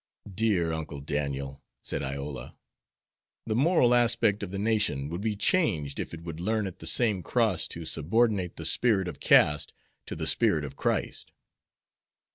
"Dear Uncle Daniel," said Iola, "the moral aspect of the nation would be changed if it would learn at the same cross to subordinate the spirit of caste to the spirit of Christ."